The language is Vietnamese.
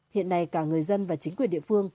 hiện nay cả người dân và chính quyền địa phương